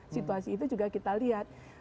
situasi itu juga kita lihat